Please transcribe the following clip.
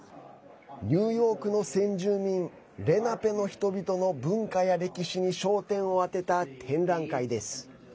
ニューヨークの先住民レナペの人々の文化や歴史に焦点を当てた展覧会です。